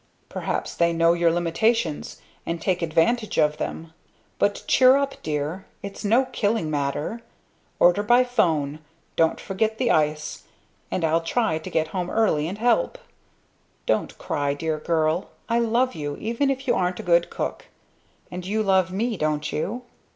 "Perhaps they know your limitations, and take advantage of them! But cheer up, dear. It's no killing matter. Order by phone, don't forget the ice, and I'll try to get home early and help. Don't cry, dear girl, I love you, even if you aren't a good cook! And you love me, don't you?"